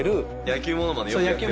野球ものまね。